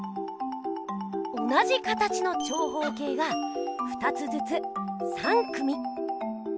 同じ形の長方形が２つずつ３組。